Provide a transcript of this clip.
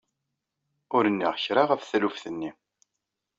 Ur nniɣ kra ɣef taluft-nni.